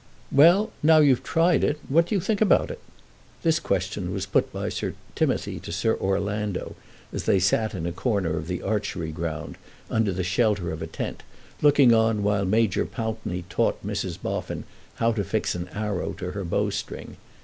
"Well; now you've tried it, what do you think about it?" This question was put by Sir Timothy to Sir Orlando as they sat in a corner of the archery ground, under the shelter of a tent, looking on while Major Pountney taught Mrs. Boffin how to fix an arrow to her bowstring.